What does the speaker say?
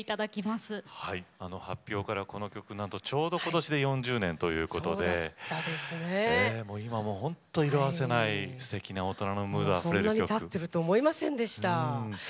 発表からこの曲、なんとちょうどことしで４０年ということで今も本当に色あせないすてきな大人のムードあふれる歌ですね。